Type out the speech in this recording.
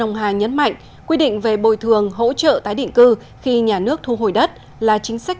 ông hà nhấn mạnh quy định về bồi thường hỗ trợ tái định cư khi nhà nước thu hồi đất là chính sách